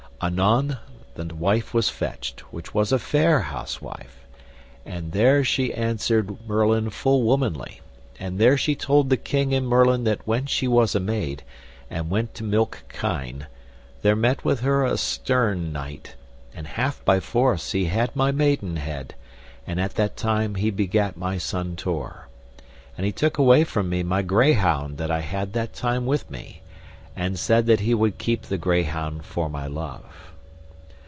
Anon the wife was fetched, which was a fair housewife, and there she answered Merlin full womanly, and there she told the king and Merlin that when she was a maid, and went to milk kine, there met with her a stern knight, and half by force he had my maidenhead, and at that time he begat my son Tor, and he took away from me my greyhound that I had that time with me, and said that he would keep the greyhound for my love.